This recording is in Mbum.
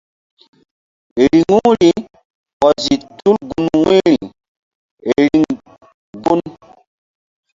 Riŋu ri ɔzi tul gun wu̧yri riŋ gun.